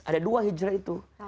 ada dua hijrah itu